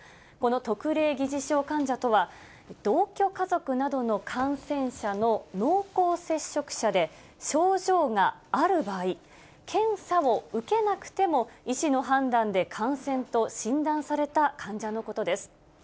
この特例疑似症患者とは、同居家族などの感染者の濃厚接触者で、症状がある場合、検査を受けなくても、医師の判断で感染と診断された患者のことです。